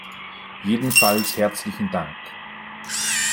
Jedenfalls herzlichen Dank!